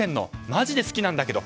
マジで好きなんだけど。